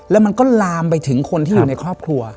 แล้วมันก็ลามไปถึงคนที่อยู่ในครอบครัว